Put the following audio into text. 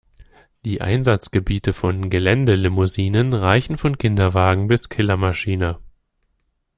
Die Einsatzgebiete von Geländelimousinen reichen von Kinderwagen bis Killermaschine.